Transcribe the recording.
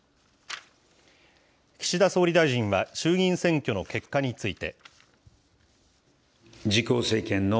岸田総理大臣は、衆議院選挙の結果について。